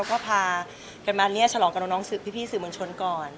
ประมาณนี้ฉลองกับน้องพี่สื่อมนชนก่อน